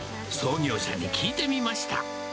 創業者に聞いてみました。